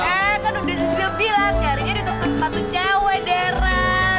eh kan udah si zubi lah nyariin di toko sepatu cewek darren